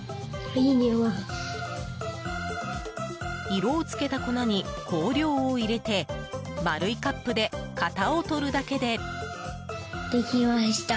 色を付けた粉に香料を入れて丸いカップで型をとるだけで。